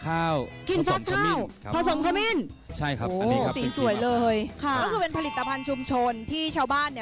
อันนี้ก็มีครีมอาบน้ำ